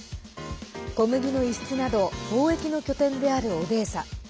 小麦の輸出など貿易の拠点であるオデーサ。